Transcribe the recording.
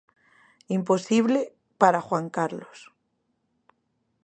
Imposible para Juan Carlos.